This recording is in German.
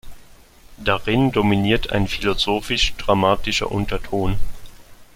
Darin dominiert ein philosophisch-dramatischer Unterton.